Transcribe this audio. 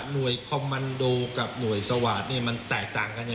คอมมันโดกับหน่วยสวาสตร์มันแตกต่างกันยังไง